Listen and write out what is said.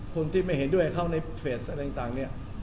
คนที่ไม่เห็นด้วยเขาในเฟสอะไรต่างเนี่ย